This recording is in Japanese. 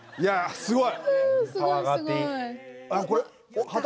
すごい！